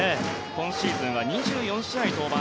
今シーズンは２４試合登板。